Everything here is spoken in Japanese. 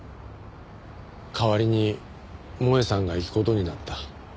代わりに萌絵さんが行く事になった。